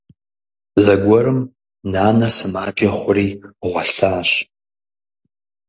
Зэгуэрым нанэ сымаджэ хъури гъуэлъащ.